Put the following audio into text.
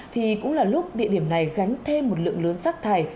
thì cũng là lúc địa điểm này gánh thêm một lượng lớn rác thải